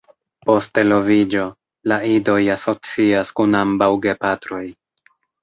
Post eloviĝo, la idoj asocias kun ambaŭ gepatroj.